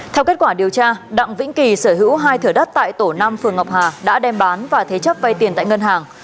theo kết quả điều tra đặng vĩnh kỳ sở hữu hai thửa đất tại tổ năm phường ngọc hà đã đem bán và thế chấp vay tiền tại ngân hàng